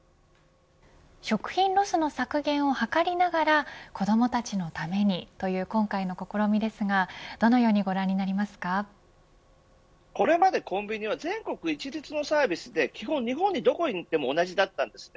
食品ロスの削減を図りながら子どもたちのためにという今回の試みですがこれまでコンビニは全国一律のサービスで基本、日本でどこででも同じだったんですよね。